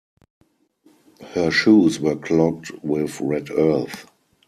Her shoes were clogged with red earth.